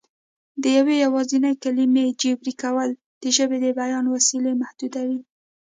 د یوې یوازینۍ کلمې جبري کول د ژبې د بیان وسیلې محدودوي